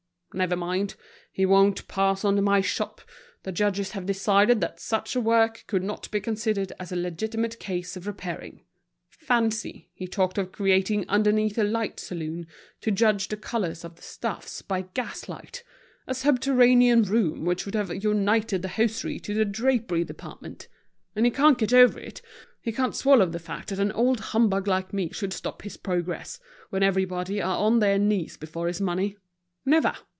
Never mind, he won't pass under my shop, the judges have decided that such a work could not be considered as a legitimate case of repairing. Fancy, he talked of creating underneath a light saloon to judge the colors of the stuffs by gas light, a subterranean room which would have united the hosiery to the drapery department! And he can't get over it; he can't swallow the fact that an old humbug like me should stop his progress, when everybody are on their knees before his money. Never!